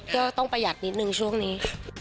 ก็ต้องประหยัดนิดนึงช่วงนี้